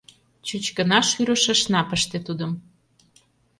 Чуч гына шӱрыш ышна пыште тудым.